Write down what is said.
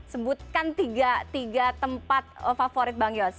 sebutkan tiga tempat favorit bang yos